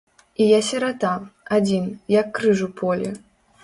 І я сірата, адзін, як крыж у полі.